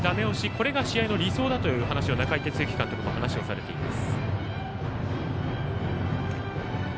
これが大事だという話を中井哲之監督も話をされています。